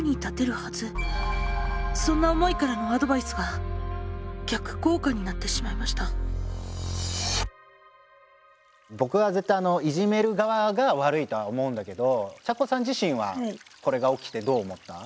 そんな思いからの僕は絶対イジメる側が悪いとは思うんだけどちゃこさん自身はこれが起きてどう思った？